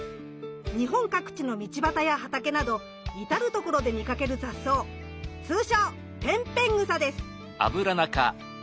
日本各地の道ばたや畑など至る所で見かける雑草通称ペンペングサです。